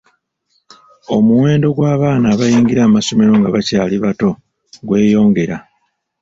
Omuwendo gw’abaana abayingira amasomero nga bakyali bato gweyongera .